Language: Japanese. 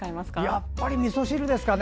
やっぱり、みそ汁ですかね。